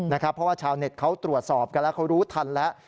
เพราะว่าชาวเน็ตเขาตรวจสอบกันแล้วเขารู้ทันแล้ว